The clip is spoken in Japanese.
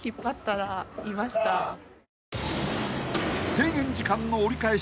［制限時間の折り返し寸前］